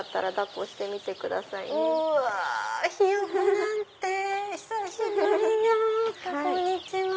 こんにちは！